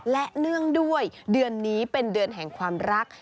และเนื่องด้วยเดือนนี้เป็นเดือนแห่งความรัก